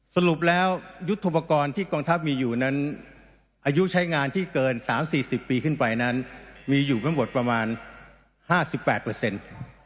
สรุปแล้วยุทธโปรกรณ์ที่กองทัพมีอยู่นั้นอายุใช้งานที่เกิน๓๔๐ปีขึ้นไปนั้นมีอยู่ทั้งหมดประมาณ๕๘เปอร์เซ็นต์